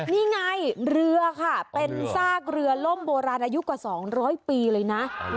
นี่ไงเรือค่ะเป็นซากเรือล่มโบราณอายุกว่า๒๐๐ปีเลยนะ